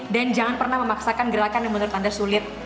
dan jangan pernah memaksakan gerakan yang menurut anda sulit